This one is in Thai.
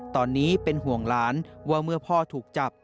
ตอนนี้เป็นห่วงหลานว่าเมื่อพ่อถูกจับ